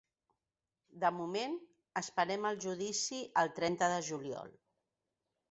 De moment, esperem el judici el trenta de juliol.